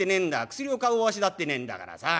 薬を買う御足だってねえんだからさ。